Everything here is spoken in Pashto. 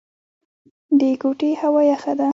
د کوټې هوا يخه ده.